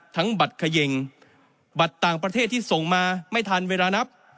บัตรเขย่งบัตรต่างประเทศที่ส่งมาไม่ทันเวลานับ